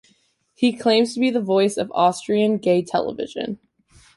He claims to be the voice of "Austrian gay television".